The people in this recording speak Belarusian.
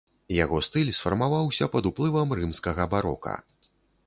Яго стыль сфармаваўся пад уплывам рымскага барока.